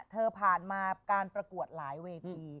ผ่านมาการประกวดหลายเวที